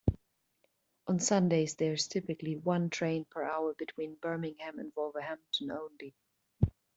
On Sundays, there is typically one train per hour between Birmingham and Wolverhampton only.